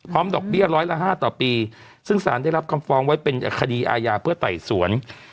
ดอกเบี้ยร้อยละ๕ต่อปีซึ่งสารได้รับคำฟ้องไว้เป็นคดีอาญาเพื่อไต่สวน